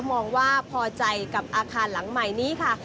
มองว่าพอใจกับอาคารหลังใหม่นี้ค่ะ